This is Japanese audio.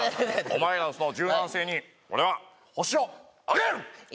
お前らのその柔軟性に俺は星をあげる！